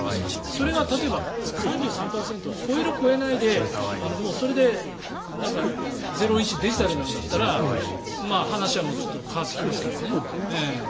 それが例えば、３３％超える超えないでそれでゼロイチ出るんだったら話はちょっと変わってきますけどね。